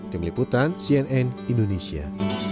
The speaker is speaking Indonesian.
tim liputan cnn indonesia